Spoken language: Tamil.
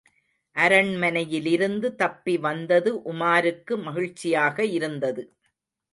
அரண்மனையிலிருந்து தப்பி வந்தது உமாருக்கு மகிழ்ச்சியாக இருந்தது.